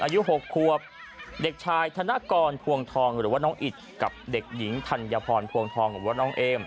อายุ๖ควบเด็กชายธนกรพวงทองหรือว่าน้องอิดกับเด็กหญิงธัญพรพวงทองหรือว่าน้องเอม